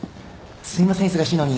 すいません忙しいのに。